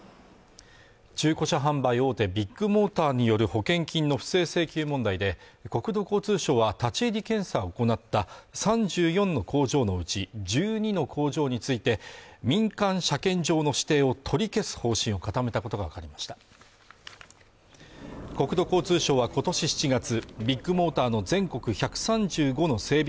中古車販売大手ビッグモーターによる保険金の不正請求問題で国土交通省は立ち入り検査を行った３４の工場のうち１２の工場について民間車検場の指定を取り消す方針を固めたことが分かりました国土交通省はことし７月ビッグモーターの全国１３５の整備